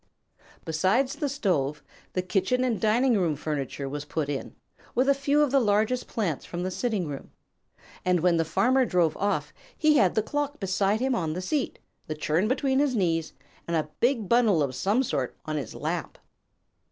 Besides the stove, the kitchen and dining room furniture was put in, with a few of the largest plants from the sitting room, and when the Farmer drove off he had the clock beside him on the seat, the churn between his knees, and a big bundle of some sort on his lap.